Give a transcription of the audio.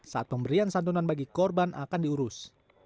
saat pemberian santunan bagi korban akan diurus